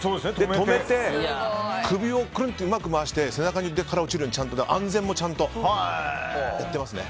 止めて、首をくるんってうまく回して背中から落ちるように安全もちゃんとやってますね。